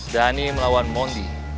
dhani melawan mondi